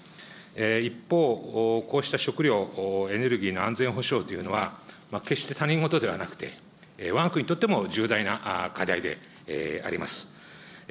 一方、こうした食料、エネルギーの安全保障というのは、決して他人事ではなくて、わが国にとっても重大な課題であります。